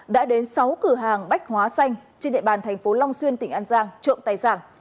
đã đến sáu cửa hàng bách hóa xanh trên địa bàn thành phố long xuyên tỉnh an giang trộm tài sản